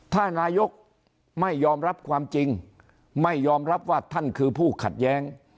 ถ้านายกไม่ยอมรับความจริงไม่ยอมรับว่าท่านคือผู้ขัดแย้ง